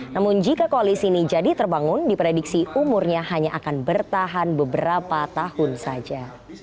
namun jika koalisi ini jadi terbangun diprediksi umurnya hanya akan bertahan beberapa tahun saja